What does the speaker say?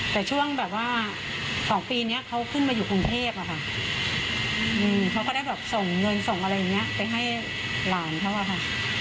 แต่ช่วงแบบว่า๒ปีนี้เขาขึ้นมาอยู่กรุงเทพอะค่ะเขาก็ได้แบบส่งเงินส่งอะไรอย่างนี้ไปให้หลานเขาอะค่ะ